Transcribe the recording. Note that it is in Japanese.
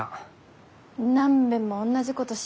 何べんもおんなじことし